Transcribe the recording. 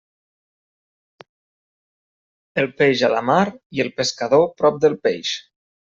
El peix a la mar, i el pescador prop del peix.